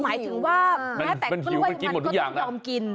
หมายถึงว่าแม้แต่กล้วยมันก็ต้องยอมกิน